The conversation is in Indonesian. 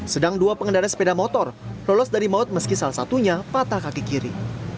sedang dua pengendara sepeda motor lolos dari maut meski salah satunya patah kaki kiri